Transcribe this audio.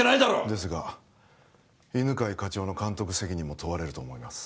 ですが犬飼課長の監督責任も問われると思います